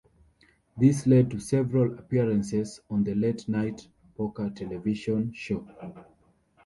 This led to several appearances on the Late Night Poker television show.